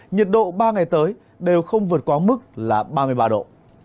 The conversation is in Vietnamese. nhiệt độ ba ngày tới đều không vượt quá mức là ba mươi ba độ